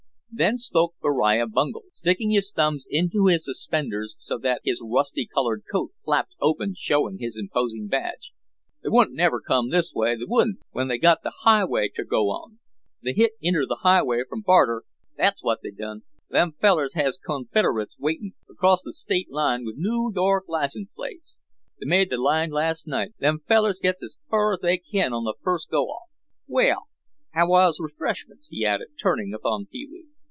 Then spoke Beriah Bungel, sticking his thumbs into his suspenders so that his rusty colored coat flapped open showing his imposing badge, "They wouldn' never come this way, they wouldn', when they got th' highway ter go on. They hit inter th' highway from Baxter, that's what they done. Them fellers hez con federates waitin' across th' state line with Noo York license plates. They made th' line last night; them fellers gits as fur as they kin on the first go off. Waal, haow's re freshments?" he added, turning upon Pee wee.